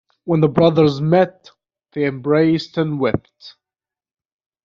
When the brothers met, they embraced and wept.